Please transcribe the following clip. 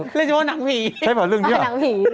เป็นการกระตุ้นการไหลเวียนของเลือด